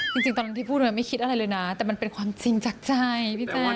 จริงตอนนั้นที่พูดมันไม่คิดอะไรเลยนะแต่มันเป็นความจริงจากใจพี่ก้อย